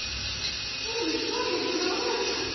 紫乃の想念そのものだった。